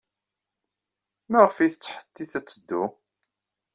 Maɣef ay tettḥettit ad teddu?